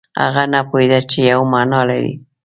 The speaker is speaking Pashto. هغه نه پوهېده چې یوه معنا لري.